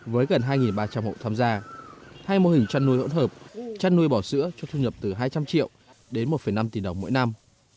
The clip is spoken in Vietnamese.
với gần hai ba trăm linh hộ tham gia hay mô hình trăn nuôi hỗn hợp trăn nuôi bỏ sữa cho thu nhập từ hai trăm linh triệu đến một năm tỷ đồng mỗi năm